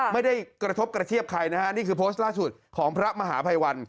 ไม่ได้กระทบกระเทียบใครนะฮะนี่คือโพสต์ล่าสุดของพระมหาภัยวัน